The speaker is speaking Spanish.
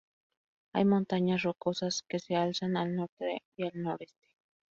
Hay montañas rocosas que se alzan al norte y al noreste.